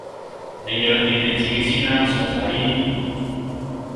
你養掂你自己先啦，傻仔